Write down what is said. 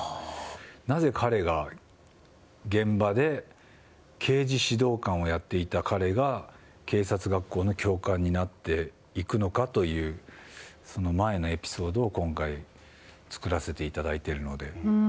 なぜ、彼が現場で刑事指導官をやっていた彼が警察学校の教官になっていくのかという前のエピソードを今回作らせていただいているので。